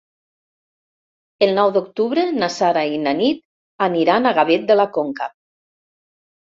El nou d'octubre na Sara i na Nit aniran a Gavet de la Conca.